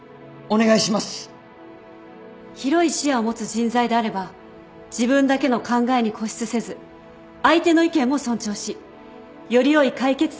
広い視野を持つ人材であれば自分だけの考えに固執せず相手の意見も尊重しよりよい解決策を導けるはずです。